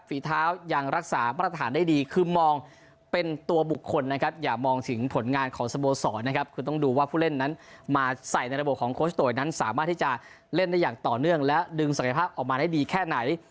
ฝีเท้ายังรักษามาตรฐานได้ดีคือมองเป็นตัวบุคคลนะครับอย่ามองถึงผลงานของสโมสรนะครับคือต้องดูว่าผู้เล่นนั้นมาใส่ในระบบของโคชโตยนั้นสามารถที่จะเล่นได้อย่างต่อเนื่องและดึงศักยภาพออกมาได้ดีแค่ไหน